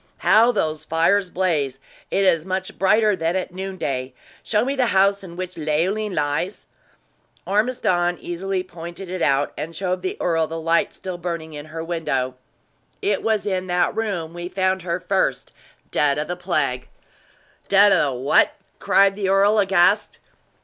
"How those fires blaze! It is much brighter than at noon day. Show me the house in which Leoline lies?". Ormiston easily pointed it out, and showed the earl the light still burning in her window. "It was in that room we found her first, dead of the plague!" "Dead of the what?" cried the earl, aghast.